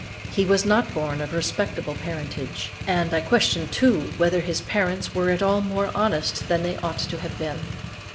He was not born of respectable parentage, and I question, too, whether his parents, were at all more honest than they ought to have been.